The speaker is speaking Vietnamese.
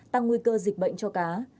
tăng nguy cơ dịch bệnh cho cá